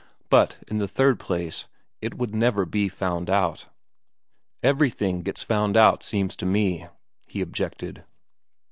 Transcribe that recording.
But in the third place, it would never be found out. "Everything gets found out, seems to me," he objected.